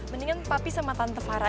mendingan papi sama tante fara